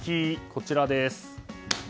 こちらです。